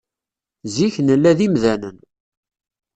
Zik, nella d imdanen.